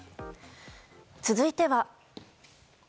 続いては。